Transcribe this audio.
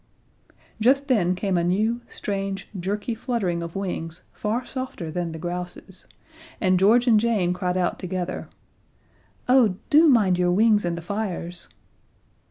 Just then came a new, strange, jerky fluttering of wings far softer than the grouse's, and George and Jane cried out together: "Oh, do mind your wings in the fires!"